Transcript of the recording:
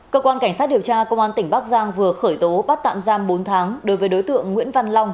cơ quan cảnh sát điều tra công an tỉnh bắc giang vừa khởi tố bắt tạm giam bốn tháng đối với đối tượng nguyễn văn long